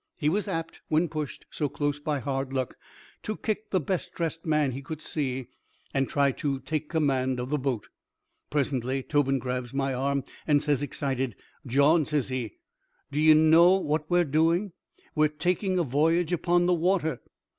He was apt, when pushed so close by hard luck, to kick the best dressed man he could see, and try to take command of the boat. Presently Tobin grabs my arm and says, excited: "Jawn," says he, "do ye know what we're doing? We're taking a voyage upon the water."